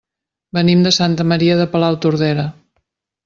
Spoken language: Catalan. Venim de Santa Maria de Palautordera.